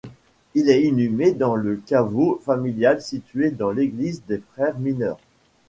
Il est inhumé dans le caveau familial situé dans l'église des frères Mineurs.